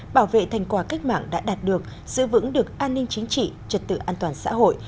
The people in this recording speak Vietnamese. bảo vệ thành quả cách mạng đã đạt được giữ vững được an ninh chính trị trật tự an toàn xã hội